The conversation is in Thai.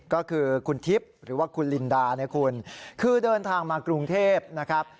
ก็คือคุณทิพย์หรือว่าคุณลินดาเนี่ยคุณคือเดินทางมากรุงเทพนะครับ